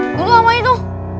itu itu apa itu